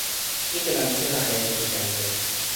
ike la mi sona ala e toki Kanse.